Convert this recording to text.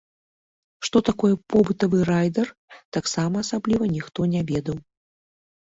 Што такое побытавы райдар, таксама асабліва ніхто не ведаў.